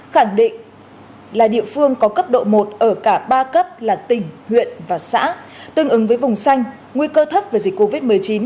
khẳng định là địa phương có cấp độ một ở cả ba cấp là tỉnh huyện và xã tương ứng với vùng xanh nguy cơ thấp về dịch covid một mươi chín